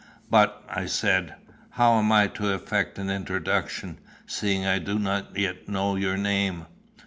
"But," I said, "how am I to effect an introduction, seeing I do not yet know your name."